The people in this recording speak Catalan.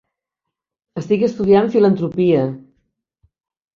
Estic estudiant filantropia.